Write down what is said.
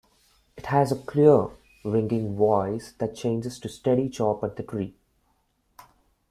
It has a clear, ringing voice that changes to steady chop at the tree.